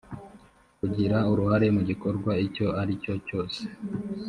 kugira uruhare mu gikorwa icyo ari cyo cyose